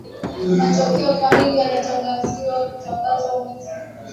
matokeo kamili yanatanzamiwa kutangazwa mwezi ujao na ikiwa hali itasalia kuwa kama ilivyo sasa